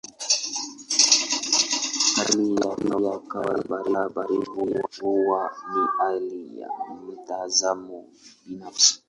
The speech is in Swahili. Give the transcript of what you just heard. Katika hali ya kawaida baridi huwa ni hali ya mtazamo binafsi.